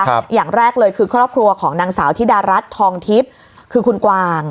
อย่างแรกเลยคือครอบครัวของนางสาวธิดารัฐทองทิพย์คือคุณกวาง